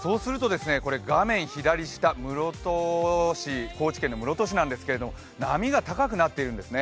画面左下、高知県の室戸市なんですけど波が高くなっているんですね。